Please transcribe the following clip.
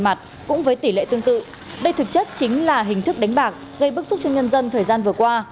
các đối tượng cũng với tỷ lệ tương tự đây thực chất chính là hình thức đánh bạc gây bức xúc cho nhân dân thời gian vừa qua